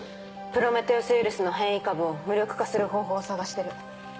プロメテウス・ウイルスの変異株を無力化する方法を探してる。